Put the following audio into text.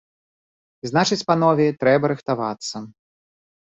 Значыць, панове, трэба рыхтавацца.